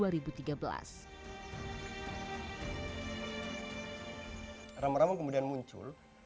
rambang rambang kemudian muncul